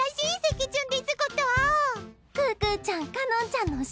可可ちゃんかのんちゃんの後ろ！